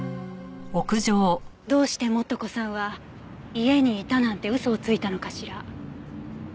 どうして素子さんは家にいたなんて嘘をついたのかしら？